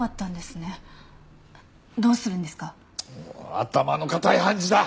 頭の固い判事だ！